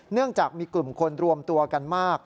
เนื่องจากมีกลุ่มคนรวมตัวกันมาก